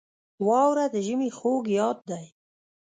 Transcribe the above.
• واوره د ژمي خوږ یاد دی.